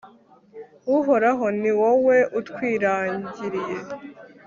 uhoraho, ni wowe utwiragiriye